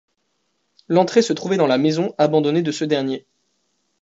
L'entrée se trouvait dans la maison abandonnée de ce dernier.